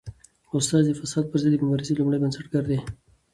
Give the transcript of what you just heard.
استاد د فساد پر ضد د مبارزې لومړی بنسټګر دی.